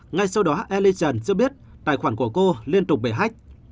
ngay sau đó ellie trần cho biết tài khoản của cô liên tục bị hách